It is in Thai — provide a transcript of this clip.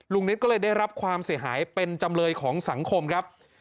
นิดก็เลยได้รับความเสียหายเป็นจำเลยของสังคมครับ